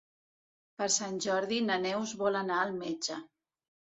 Per Sant Jordi na Neus vol anar al metge.